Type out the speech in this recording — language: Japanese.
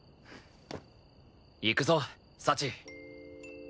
行くぞ幸！